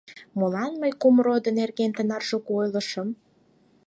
Молан мый кум родо нерген тынар шуко ойлышым?